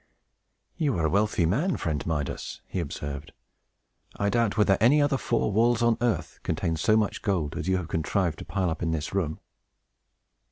"You are a wealthy man, friend Midas!" he observed. "I doubt whether any other four walls, on earth, contain so much gold as you have contrived to pile up in this room."